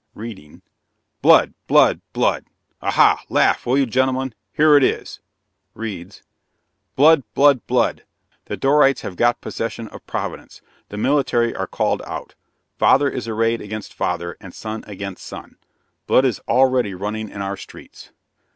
(Reading:) "'Blood, blood, blood!' Aha! laugh, will you, gentlemen? Here it is." Reads: "'Blood, blood, blood! The Dorrites have got possession of Providence. The military are called out. Father is arrayed against father, and son against son. Blood is already running in our streets.'